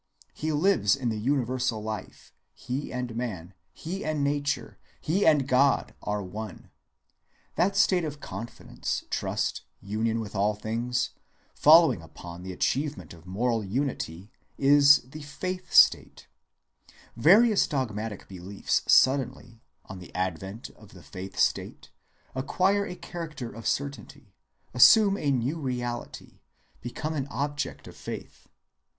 He lives in the universal life; he and man, he and nature, he and God, are one. That state of confidence, trust, union with all things, following upon the achievement of moral unity, is the Faith‐state. Various dogmatic beliefs suddenly, on the advent of the faith‐state, acquire a character of certainty, assume a new reality, become an object of faith.